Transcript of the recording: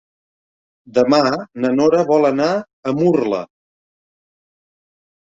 Demà na Nora vol anar a Murla.